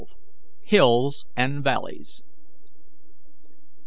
HILLS AND VALLEYS.